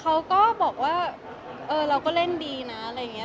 เขาก็บอกว่าเออเราก็เล่นดีนะอะไรอย่างนี้